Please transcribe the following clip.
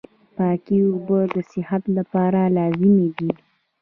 پاکي اوبه د صحت لپاره لازمي دي.